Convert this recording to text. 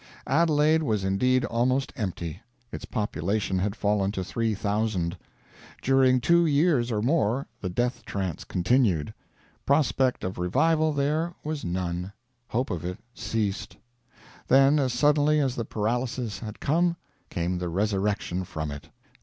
Adelaide was indeed almost empty; its population had fallen to 3,000. During two years or more the death trance continued. Prospect of revival there was none; hope of it ceased. Then, as suddenly as the paralysis had come, came the resurrection from it.